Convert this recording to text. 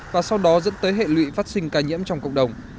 và sau đó dẫn tới hệ lụy phát sinh ca nhiễm trong cộng đồng